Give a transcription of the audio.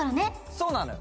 そうなのよ